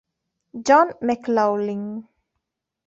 John McLoughlin